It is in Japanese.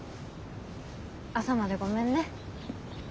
朝までごめんね。